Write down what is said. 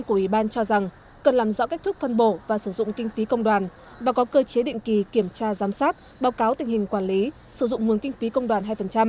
ủy ban cho rằng cần làm rõ cách thức phân bổ và sử dụng kinh phí công đoàn và có cơ chế định kỳ kiểm tra giám sát báo cáo tình hình quản lý sử dụng nguồn kinh phí công đoàn hai